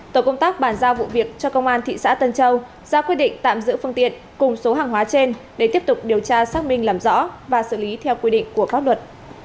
tổ công tác bàn giao vụ việc cho công an thị xã tân châu ra quyết định tạm giữ phương tiện cùng số hàng hóa trên để tiếp tục điều tra xác minh làm rõ và xử lý theo quy định của pháp luật